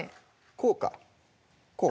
こうかこう？